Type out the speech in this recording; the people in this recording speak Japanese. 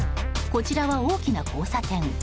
こちらは大きな交差点。